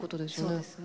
そうです。